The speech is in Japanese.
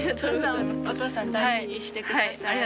・お父さん大事にしてください。